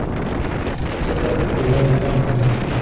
Several people laying down on the beach